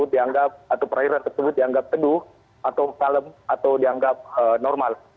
di mana perairan tersebut dianggap teduh atau salem atau dianggap normal